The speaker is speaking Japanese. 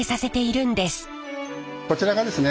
こちらがですね